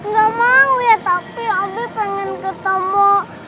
gak mau ya tapi abi pengen ketemu